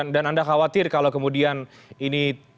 dan anda khawatir kalau kemudian ini